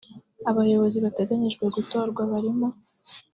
Abayobozi bateganyijwe gutorwa barimo